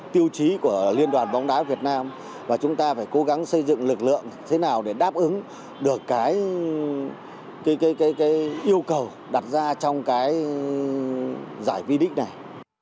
tiêu chí của liên đoàn bóng đá việt nam và chúng ta phải cố gắng xây dựng lực lượng thế nào để đáp ứng được cái yêu cầu đặt ra trong cái giải vi này